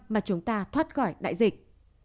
mà chúng ta thoát khỏi đại dịch